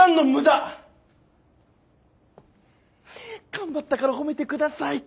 「頑張ったから褒めて下さい」